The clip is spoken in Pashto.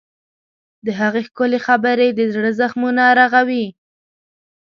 د هغې ښکلي خبرې د زړه زخمونه رغوي.